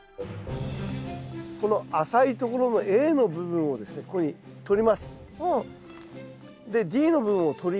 この浅いところのＡの部分をですねこういうふうに取ります。